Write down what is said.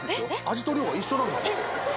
味と量は一緒なんですあれ